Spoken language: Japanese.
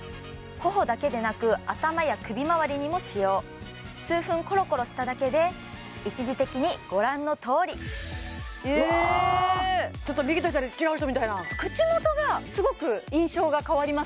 頬だけでなく頭や首まわりにも使用数分コロコロしただけで一時的にご覧のとおりうわちょっと右と左違う人みたいな口元がすごく印象が変わりますね